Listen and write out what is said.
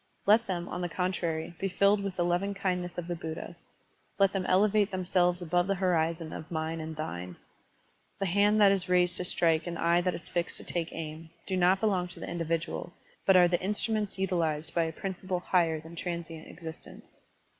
Let them, on the contrary, be filled with the lovingkindness of the Buddha; let them elevate themselves above the horizon of the mine and thine. The hand that is raised to strike and the eye that is fixed to take aim, do not belong to the individual, but are the instruments utilized by a principle higher than transient existence.